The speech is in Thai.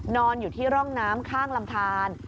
นอนอยู่ที่ร่องน้ำข้างลำทาน